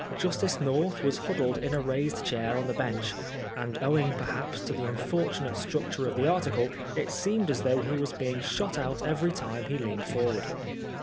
Justice North was huddled in a raised chair on the bench, and owing perhaps to the unfor« tunate structure of the article, it seemed as though he was being shot out every time he leaned forward.